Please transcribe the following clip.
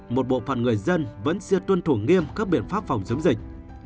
một bộ phận người dân vẫn chưa tuân thủ nghiêm các biện pháp phòng chống dịch